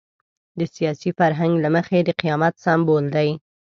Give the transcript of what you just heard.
د سیاسي فرهنګ له مخې د قیامت سمبول دی.